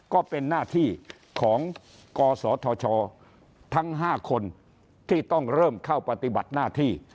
ก็เป็นหน้าที่ของกศธชทั้ง๕คนที่ต้องเริ่มเข้าปฏิบัติหน้าที่